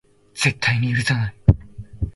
絶対に許さない